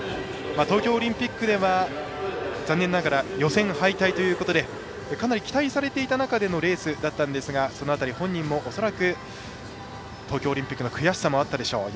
東京オリンピックでは残念ながら予選敗退ということでかなり期待されていた中でのレースだったんですがその辺り、本人も恐らく東京オリンピックの悔しさもあったでしょう。